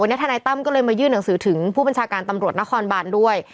วันนี้ทนายตั้มก็เลยมายื่นหนังสือถึงผู้บัญชาการตำรวจนครบานด้วย